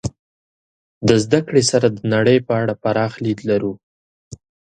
د زدهکړې سره د نړۍ په اړه پراخ لید لرو.